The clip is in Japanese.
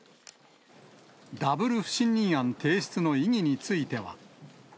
ダブル不信任案提出の意義については。